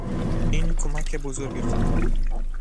این کمک بزرگی خواهد بود.